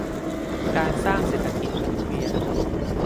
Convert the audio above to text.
การสร้างเศรษฐกิจหมุนเวียน